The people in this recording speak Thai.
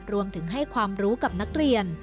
รวมถึงให้ความรู้กับนักเรียน